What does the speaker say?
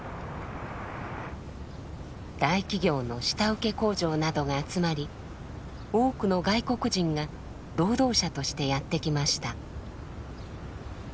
大企業の下請け工場などが集まり多くの外国人が労働者としてやって来ました。